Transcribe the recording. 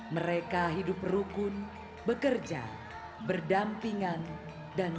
mereka hidup rukun bekerja berdampingan dan